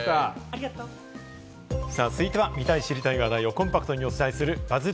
続いては、見たい知りたい話題をコンパクトにお伝えするＢＵＺＺ